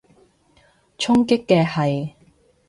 衝擊嘅係？